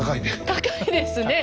高いですね。